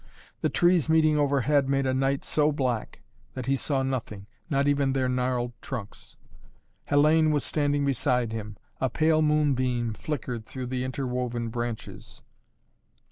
The trees meeting overhead made a night so black, that he saw nothing, not even their gnarled trunks. Hellayne was standing beside him. A pale moonbeam flickered through the interwoven branches.